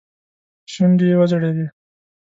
شونډې يې وځړېدې.